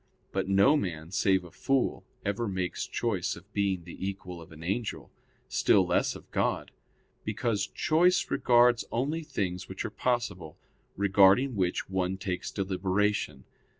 But no man, save a fool, ever makes choice of being the equal of an angel, still less of God; because choice regards only things which are possible, regarding which one takes deliberation.